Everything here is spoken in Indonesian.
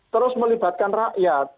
terus melibatkan rakyat